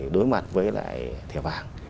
đối mặt với lại thẻ vàng